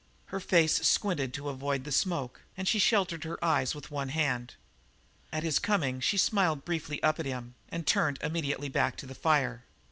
Her face was squinted to avoid the smoke, and she sheltered her eyes with one hand. At his coming she smiled briefly up at him and turned immediately back to the fire.